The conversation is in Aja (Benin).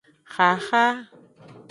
Xaxa.